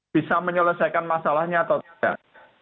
bisa menyelesaikan masalahnya atau tidak